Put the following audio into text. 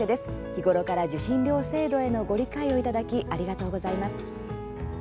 日頃から受信料制度へのご理解をいただき、ありがとうございます。